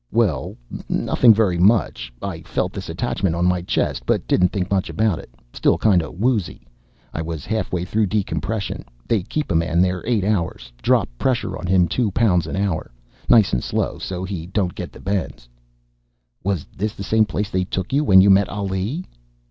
"Well, nothing very much. I felt this attachment on my chest, but didn't think much about it. Still kinda woozy. I was halfway through decompression. They keep a man there eight hours, drop pressure on him two pounds an hour, nice and slow so he don't get the bends." "Was this the same place they took you, when you met Ali?"